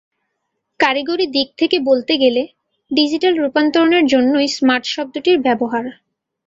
কারিগরি দিক থেকে বলতে গেলে ডিজিটাল রূপান্তরের জন্যই স্মার্ট শব্দটির ব্যবহার।